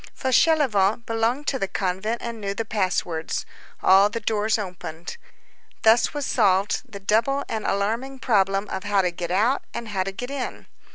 Fauchelevent belonged to the convent and knew the pass words. All the doors opened. Thus was solved the double and alarming problem of how to get out and how to get in.